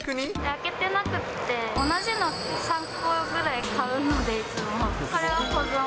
開けてなくて、同じの３個ぐらい買うので、いつも、これは保存。